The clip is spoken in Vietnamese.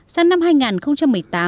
sáng năm hai nghìn một mươi tám